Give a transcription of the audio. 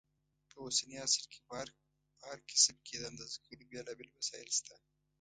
په اوسني عصر کې په هر کسب کې د اندازه کولو بېلابېل وسایل شته.